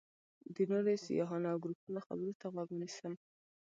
د نورو سیاحانو او ګروپونو خبرو ته غوږ ونیسم.